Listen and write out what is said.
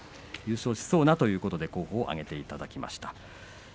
優勝しそうなということで候補を挙げていただきました。